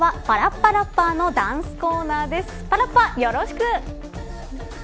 パラッパ、よろしく。